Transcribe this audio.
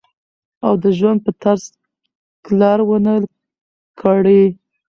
او د ژوند پۀ طرز کلر ونۀ کړي